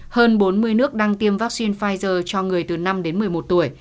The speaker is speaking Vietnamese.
hơn bốn mươi nước đang tiêm vaccine pfizer cho người từ năm đến một mươi một tuổi